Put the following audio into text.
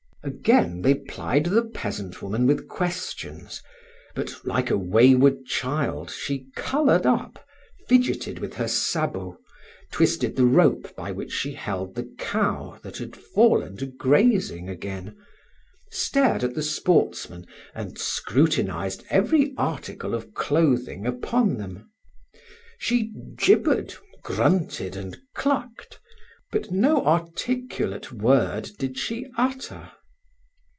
Again they plied the peasant woman with questions, but, like a wayward child, she colored up, fidgeted with her sabot, twisted the rope by which she held the cow that had fallen to grazing again, stared at the sportsmen, and scrutinized every article of clothing upon them; she gibbered, grunted, and clucked, but no articulate word did she utter.